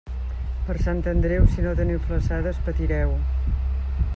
Per Sant Andreu, si no teniu flassades, patireu.